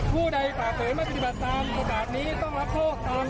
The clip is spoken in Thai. ผู้ใดปากเปลือนไม่ปฏิบัติตามภาพนี้ต้องรับโทษ๑๒๐บาท